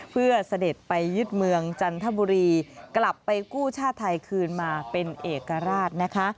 เพื่อเสด็จไปยึดเมืองจันทบุรีกลับไปกู้ชาติไทยคืนมาเป็นเอกราชนะคะ